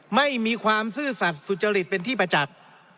ไม่มีความซื่อสัตว์สุจริตเป็นที่ประจักษ์